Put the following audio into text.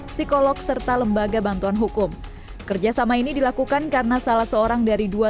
psikolog serta lembaga bantuan hukum kerjasama ini dilakukan karena salah seorang dari dua